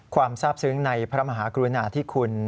ทราบซึ้งในพระมหากรุณาธิคุณ